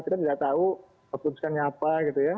kita tidak tahu keputusannya apa gitu ya